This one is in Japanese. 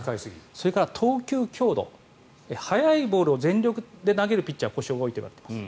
それから投球強度速いボールを全力で投げるピッチャーは故障が多いといわれています。